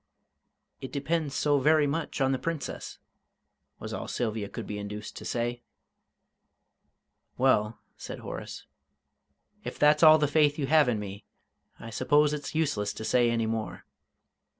"It depends so very much on the Princess," was all Sylvia could be induced to say. "Well," said Horace, "if that's all the faith you have in me, I suppose it's useless to say any more.